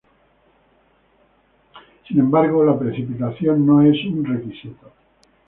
Sin embargo, la precipitación no es un requisito.